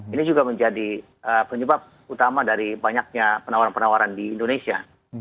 ini juga menjadi penyebab utama dari banyaknya penawaran penawaran di indonesia